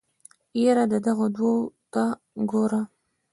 يره دغو دوو ته ګوره.